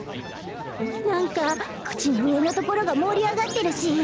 何か口の上のところが盛り上がってるし